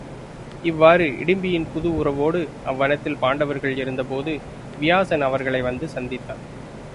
இவ்வாறு இடிம்பியின் புது உறவோடு அவ்வனத்தில் பாண்டவர்கள் இருந்தபோது வியாசன் அவர்களை வந்து சந்தித்தான்.